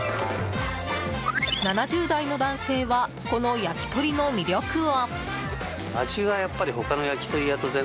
７０代の男性はこの焼き鳥の魅力を。